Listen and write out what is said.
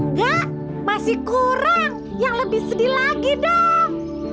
enggak masih kurang yang lebih sedih lagi dong